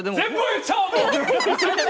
全部、言っちゃおう！